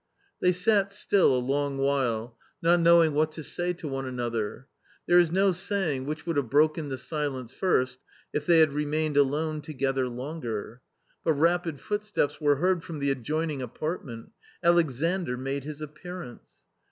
They sat still a long while, not knowing what to say to one another. There is no saying which would have broken the silence first if they had remained alone together longer. But rapid footsteps were heard from the adjoining apartment. Alexandr made his appearance.